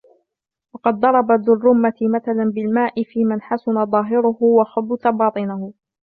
وَقَدْ ضَرَبَ ذُو الرُّمَّةِ مَثَلًا بِالْمَاءِ فِيمَنْ حَسُنَ ظَاهِرُهُ ، وَخَبُثَ بَاطِنُهُ ،